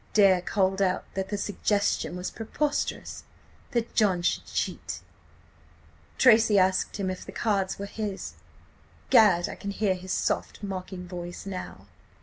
... Dare called out that the suggestion was preposterous. That John should cheat! "Tracy asked him if the cards were his. Gad! I can hear his soft, mocking voice now!